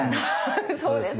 そうですね。